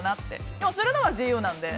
でも、するのは自由です。